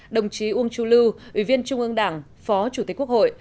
đồng chí uông chu lưu ủy viên trung ương đảng phó chủ tịch quốc hội